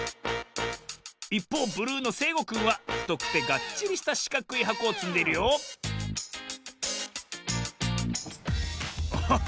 いっぽうブルーのせいごくんはふとくてがっちりしたしかくいはこをつんでいるよおっ！